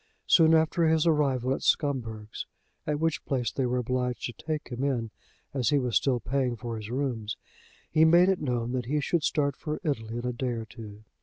Soon after his arrival at Scumberg's, at which place they were obliged to take him in as he was still paying for his rooms, he made it known that he should start for Italy in a day or two.